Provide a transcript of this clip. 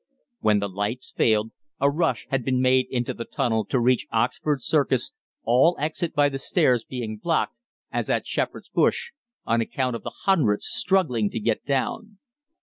When the lights failed, a rush had been made into the tunnel to reach Oxford Circus, all exit by the stairs being blocked, as at Shepherd's Bush, on account of the hundreds struggling to get down.